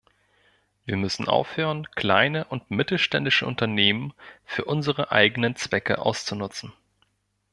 Wir müssen aufhören, kleine und mittelständische Unternehmen für unsere eigenen Zwecke auszunutzen.